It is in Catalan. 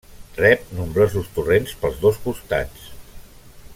Rep nombrosos torrents pels dos costats.